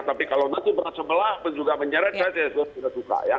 tapi kalau nanti berat sebelah juga menyeret saya sudah suka ya